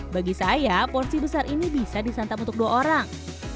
bagi saya porsi besar ini bisa disantap untuk dua orang